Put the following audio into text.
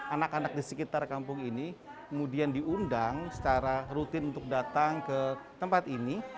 anak anak di sekitar kampung ini kemudian diundang secara rutin untuk datang ke tempat ini